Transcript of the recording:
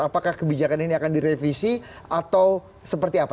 apakah kebijakan ini akan direvisi atau seperti apa